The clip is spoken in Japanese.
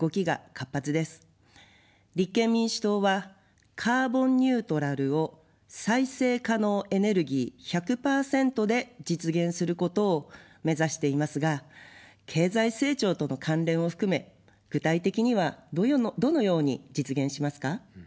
立憲民主党はカーボンニュートラルを再生可能エネルギー１００％で実現することを目指していますが、経済成長との関連を含め具体的にはどのように実現しますか。